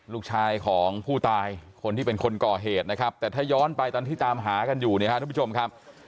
ลูกชายของผู้ตายคนที่เป็นคนก่อเหตุนะครับแต่ถ้าย้อนไปตอนที่ตามหากันอยู่เนี่ยครับทุกผู้ชมครับ